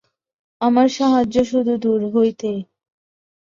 আমার সাহায্য শুধু দূর হইতে।